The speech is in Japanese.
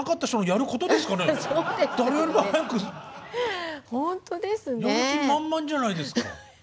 やる気満々じゃないですか。